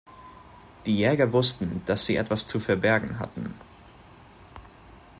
Die Jäger wussten, dass sie etwas zu verbergen hatten.